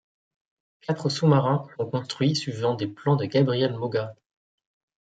Quatre sous-marins sont construits, suivant des plans de Gabriel Maugas.